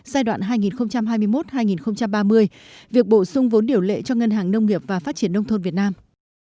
giai đoạn hai nghìn hai mươi một hai nghìn ba mươi việc bổ sung vốn điều lệ cho ngân hàng nông nghiệp và phát triển nông thôn việt nam